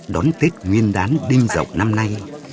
đón tết nguyên đán đinh dọc năm nay